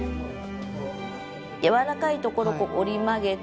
柔らかいところを折り曲げて。